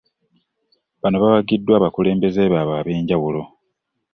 Bano bawagiddwa abakulembeze baabwe ab'enjawulo